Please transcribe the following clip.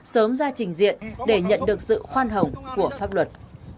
sớm ra trình diện để nhận được sự khoan hồng của pháp luật